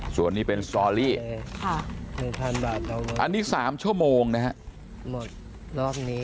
ส่วนนี้เป็นสตอรี่อันนี้๓ชั่วโมงนะครับ